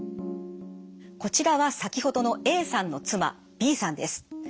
こちらは先ほどのＡさんの妻Ｂさんです。